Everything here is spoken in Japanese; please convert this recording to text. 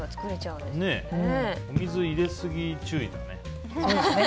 お水入れすぎ注意だね。